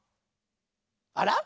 あら？